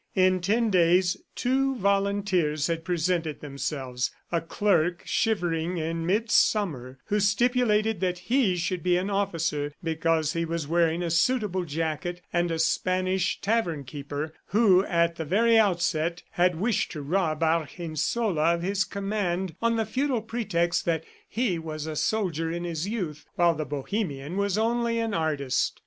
In ten days, two volunteers had presented themselves; a clerk, shivering in midsummer, who stipulated that he should be an officer because he was wearing a suitable jacket, and a Spanish tavern keeper who at the very outset had wished to rob Argensola of his command on the futile pretext that he was a soldier in his youth while the Bohemian was only an artist.